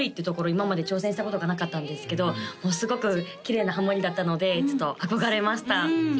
今まで挑戦したことがなかったんですけどすごくきれいなハモリだったのでちょっと憧れました